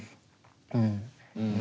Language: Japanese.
うん。